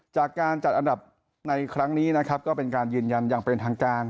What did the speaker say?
จากการจัดอันดับในครั้งนี้นะครับก็เป็นการยืนยันอย่างเป็นทางการ